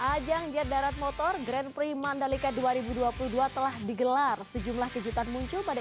ajang jet darat motor grand prix mandalika dua ribu dua puluh dua telah digelar sejumlah kejutan muncul pada